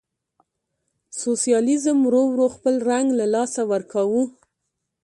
سوسیالیزم ورو ورو خپل رنګ له لاسه ورکاوه.